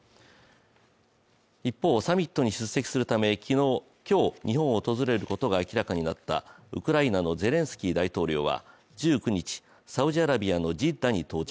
一方、サミットに出席するため今日日本を訪れることが明らかになったウクライナのゼレンスキー大統領は１９日、サウジアラビアのジッダに到着。